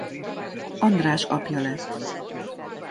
András apja lett.